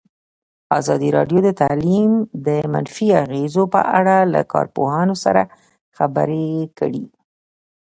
ازادي راډیو د تعلیم د منفي اغېزو په اړه له کارپوهانو سره خبرې کړي.